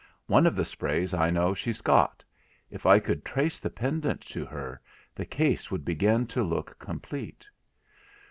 One of the sprays I know she's got; if I could trace the pendant to her, the case would begin to look complete.'